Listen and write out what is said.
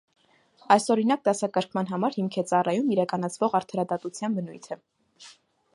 Այսօրինակ դասակարգման համար հիմք է ծառայում իրականացվող արդարադատության բնույթը։